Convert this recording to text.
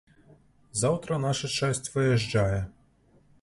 Заўтра наша часць выязджае.